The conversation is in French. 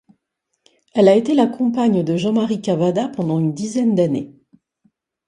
Elle a été la compagne de Jean-Marie Cavada pendant une dizaine d'années.